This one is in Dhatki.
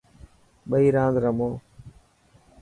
ٻئي راند رمو.